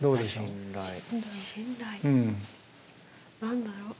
何だろう。